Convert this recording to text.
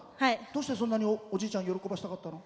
どうして、そんなにおじいちゃん喜ばせたかったの？